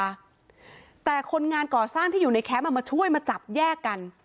แต่คนงานก่อสร้างที่อยู่ในแคมป์อ่ะมาช่วยมาจับแยกกัน